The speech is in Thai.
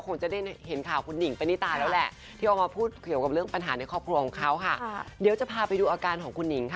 คงจะได้เห็นข่าวของคุณห์นิ้ง